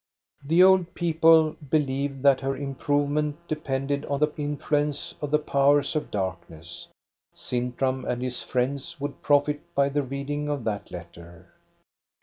The old people believe that her improvement de pended on the influence of the powers of darkness. Sintram and his friends would profit by the reading of that letter.